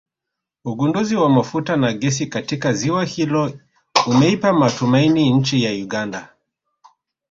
Ugunduzi wa mafuta na gesi katika ziwa hilo umeipa matumaini nchi ya Uganda